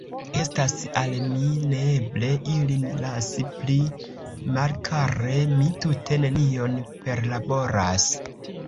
Estas al mi neeble ilin lasi pli malkare; mi tute nenion perlaboras.